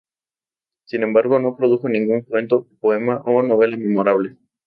Sin embargo, no produjo ningún cuento, poema o novela memorable.